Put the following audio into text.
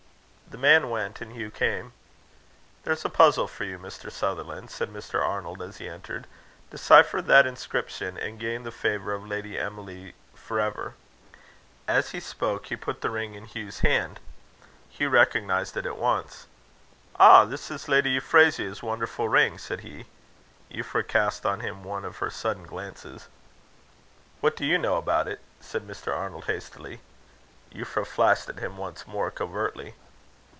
The man went, and Hugh came. "There's a puzzle for you, Mr. Sutherland," said Mr. Arnold, as he entered. "Decipher that inscription, and gain the favour of Lady Emily for ever." As he spoke he put the ring in Hugh's hand. Hugh recognized it at once. "Ah! this is Lady Euphrasia's wonderful ring," said he. Euphra cast on him one of her sudden glances. "What do you know about it?" said Mr. Arnold, hastily. Euphra flashed at him once more, covertly.